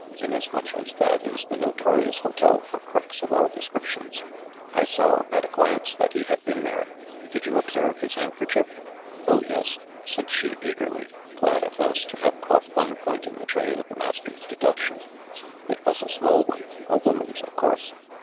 Inasmuch as that is the notorious hotel for crooks of all descriptions, I saw at a glance that he had been there. Did you observe his handkerchief?" "Oh, yes," said she eagerly, glad at last to have caught one point in the train of the master's deduction. "It was a small one — a woman's, of course."